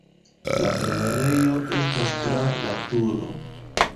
La enirejo estas tra la turo.